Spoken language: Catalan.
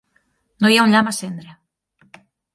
No hi ha un llamp a cendre!